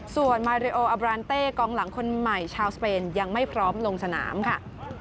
ส่วนมาริโออาบรานเต้กองหลังคนใหม่ชาวสเปนยังไม่พร้อมลงสนามค่ะ